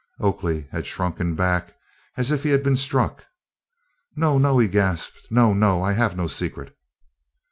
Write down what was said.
Oakley had shrunken back as if he had been struck. "No, no!" he gasped, "no, no! I have no secret."